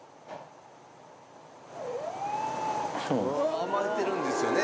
甘えてるんですよね？